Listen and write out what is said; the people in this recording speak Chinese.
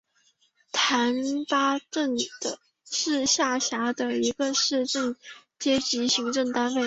覃巴镇是下辖的一个乡镇级行政单位。